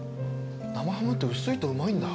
生ハムって薄いとうまいんだ。